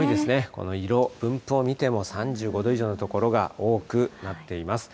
この色、分布を見ても、３５度以上の所が多くなっています。